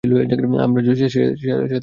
আমার যোশি স্যারের সাথে সমস্যা রয়েছে।